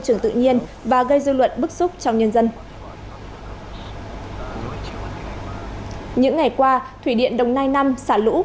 trường tự nhiên và gây dư luận bức xúc trong nhân dân những ngày qua thủy điện đồng nai năm xả lũ